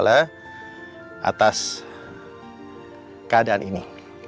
atas keadaan ini